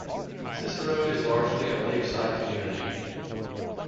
Cicero is largely a lakeside community.